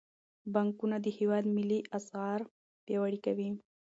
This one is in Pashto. بانکونه د هیواد ملي اسعار پیاوړي کوي.